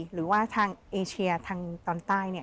หรือว่าทางเอเชียทางตอนใต้